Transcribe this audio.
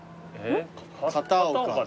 「片岡」